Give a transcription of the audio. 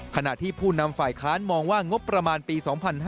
ขณะที่ผู้นำฝ่ายค้านมองว่างบประมาณปี๒๕๕๙